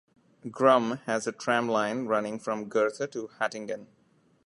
Grumme has a tram line running from Gerthe to Hattingen.